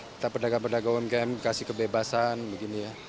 kita pedagang pedagang on camp kasih kebebasan begini ya